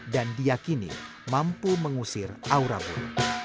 dan diakini mampu mengusir aura bunuh